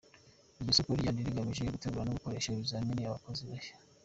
Iryo soko ryari rigamije gutegura no gukoresha ibizamini abakozi bashya.